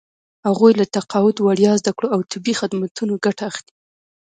هغوی له تقاعد، وړیا زده کړو او طبي خدمتونو ګټه اخلي.